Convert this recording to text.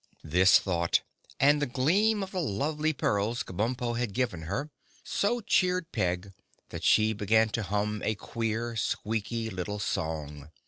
This thought, and the gleam of the lovely pearls Kabumpo had given her, so cheered Peg that she began to hum a queer, squeaky little song.